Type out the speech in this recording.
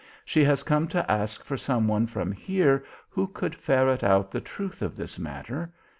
She has come to ask for some one from here who could ferret out the truth of this matter.